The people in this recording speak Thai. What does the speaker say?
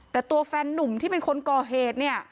แต่ตัวแฟนนุ่มที่เป็นคนก่อเหตุเนี่ย